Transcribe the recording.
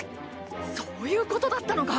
そういうことだったのか。